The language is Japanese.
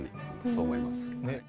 そう思います。